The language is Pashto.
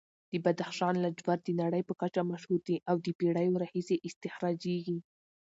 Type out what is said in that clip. د بدخشان لاجورد د نړۍ په کچه مشهور دي او د پېړیو راهیسې استخراجېږي.